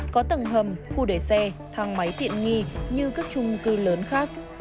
có tầng hầm khu để xe thang máy tiện nghi như các chung cư lớn khác